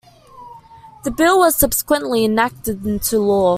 The bill was subsequently enacted into law.